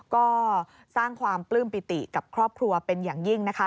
ก็สร้างความปลื้มปิติกับครอบครัวเป็นอย่างยิ่งนะคะ